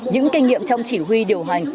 những kinh nghiệm trong chỉ huy điều hành